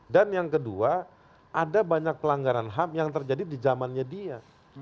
dan yang kedua ada banyak pelanggaran ham yang terjadi di zamannya dia